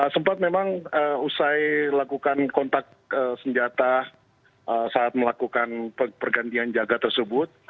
sempat memang usai lakukan kontak senjata saat melakukan pergantian jaga tersebut